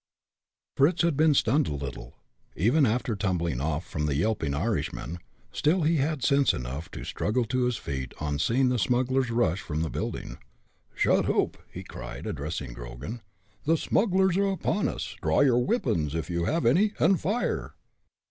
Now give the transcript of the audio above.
Fritz had been stunned a little, even after tumbling off from the yelping Irishman; still, he had sense enough to struggle to his feet on seeing the smugglers rush from the building. "Shut oop!" he cried, addressing Grogan. "The smugglers are upon us! Draw your wippons, if you have any, and fire!"